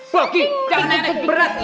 bogi jangan naik naik berat